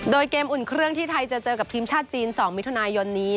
โดยเกมอุ่นเครื่องที่ไทยจะเจอกับทีมชาติจีน๒มิถุนายนนี้